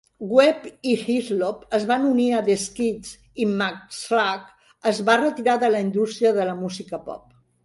Webb i Hyslop es van unir a The Skids, i McIsaac es va retirar de la indústria de la música pop.